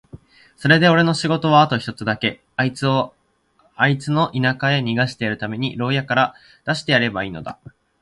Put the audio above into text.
それでおれの仕事はあと一日だけ、あいつをあいつの田舎へ逃してやるために牢屋から出してやればいいのだ。